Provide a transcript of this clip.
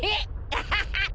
アハハッ！